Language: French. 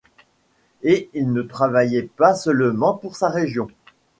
Et il ne travaillait pas seulement pour sa région.